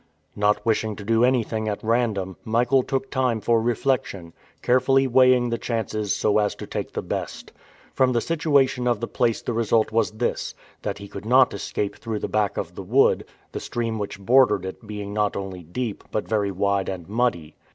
Not wishing to do anything at random, Michael took time for reflection, carefully weighing the chances so as to take the best. From the situation of the place the result was this that he could not escape through the back of the wood, the stream which bordered it being not only deep, but very wide and muddy.